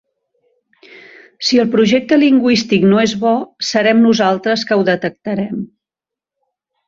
Si el projecte lingüístic no és bo serem nosaltres que ho detectarem.